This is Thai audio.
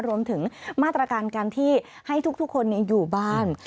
รวมถึงมาตรการการที่ให้ทุกคนอยู่บ้าน